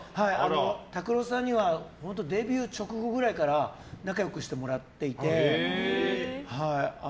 ＴＡＫＵＲＯさんにはデビュー直後くらいから仲良くしてもらっていて。